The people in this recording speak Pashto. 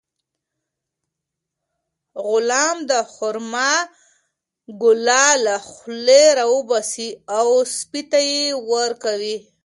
غلام د خورما ګوله له خولې راوباسي او سپي ته یې ورکوي.